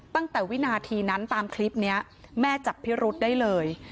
ตั้งแต่วินาทีนั้นตามคลิปนี้แม่จับพิรุษได้เลย